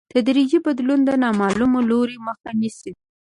تدریجي بدلون د نامعلوم لوري مخه نیسي.